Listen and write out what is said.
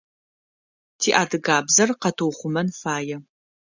Ти адыгабзэр къэтыухъумэн фае